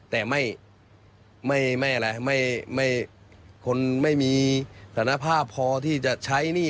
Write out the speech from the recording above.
แต่ไม่ไม่ไม่อะไรไม่ไม่คนไม่มีสถานภาพพอที่จะใช้นี่